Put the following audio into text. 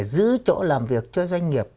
giữ chỗ làm việc cho doanh nghiệp